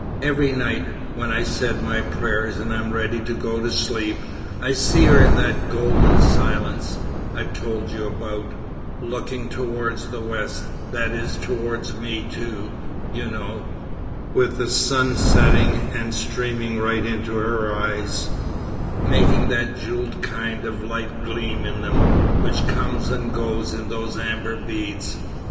Every night, when I've said my prayers and am ready to go to sleep, I see her in that golden silence I told you about, looking towards the west that is, towards me, too, you know; with the sun setting and streaming right into her eyes, making that jewelled kind of light gleam in them, which comes and goes in those amber beads.